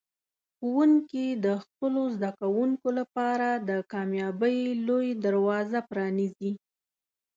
ښوونکي د خپلو زده کوونکو لپاره د کامیابۍ لوی دروازه پرانیزي.